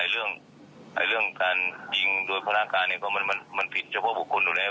เรื่องการยิงโดยภารการมันผิดเฉพาะบุคคลอยู่แล้ว